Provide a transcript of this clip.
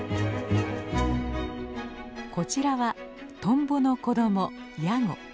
こちらはトンボの子どもヤゴ。